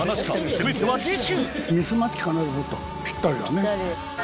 全ては次週！